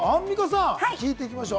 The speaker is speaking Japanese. アンミカさん、聞いていきましょう。